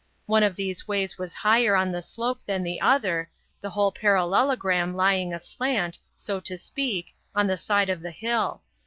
One of these ways was higher on the slope than the other, the whole parallelogram lying aslant, so to speak, on the side of the hill.